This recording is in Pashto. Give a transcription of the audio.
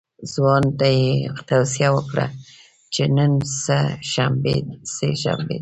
ځوان ته یې توصیه وکړه چې نن سه شنبه ده.